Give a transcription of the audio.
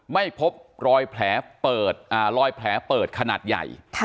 ไม่พบรอยแผลเปิดขนาดใหญ่